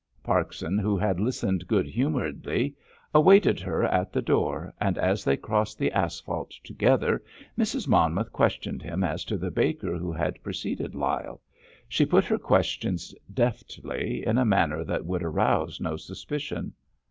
Parkson, who had listened good humouredly, awaited her at the door, and as they crossed the asphalt together Mrs. Monmouth questioned him as to the baker who had preceded Lyle. She put her questions deftly, in a manner that would arouse no suspicion.